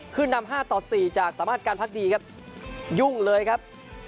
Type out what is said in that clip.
ขึ้นนำ๕ต่อ๔จากสามารถการพักดีครับยุ่งเลยครับ